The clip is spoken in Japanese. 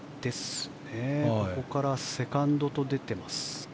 ここからセカンドと出てます。